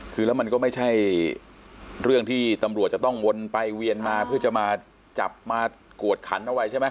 คือแล้วมันก็ไม่ใช่เรื่องที่ตำรวจจะต้องวนไปเวียนมาเพื่อจะมาจับมากวดขันเอาไว้ใช่ไหม